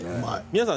皆さん